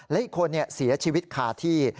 และอีกคนเสียชีวิตคาที่